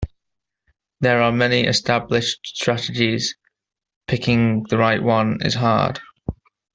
There are many established strategies, picking the right one is hard.